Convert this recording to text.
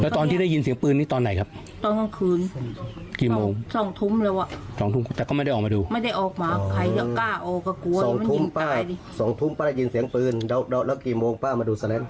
ตอนช้าว่า๖โมงป่าแล้วนะ